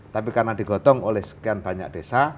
tapi karena digotong oleh sekian banyak desa